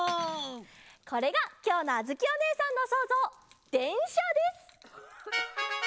これがきょうのあづきおねえさんのそうぞう「でんしゃ」です！